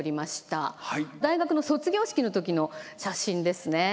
大学の卒業式の時の写真ですね。